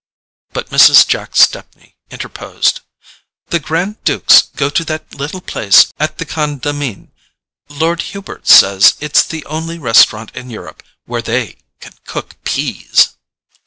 But Mrs. Jack Stepney interposed. "The Grand Dukes go to that little place at the Condamine. Lord Hubert says it's the only restaurant in Europe where they can cook peas."